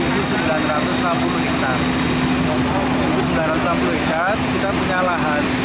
satu sembilan ratus enam puluh hektare kita punya lahan